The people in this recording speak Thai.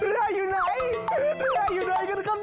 เรืออยู่ไหนเรืออยู่ไหนกันครับนี่